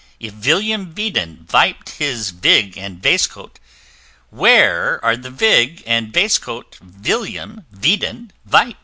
If Villiam Veedon vip'd his Vig and Vaistcoat, Where are the Vig and Vaistcoat Villiam Veedon vip'd?